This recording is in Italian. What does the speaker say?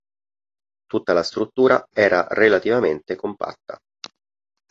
Tutta la struttura era relativamente compatta.